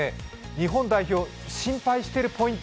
日本代表、心配しているポイント